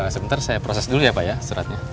sebentar saya proses dulu ya pak ya suratnya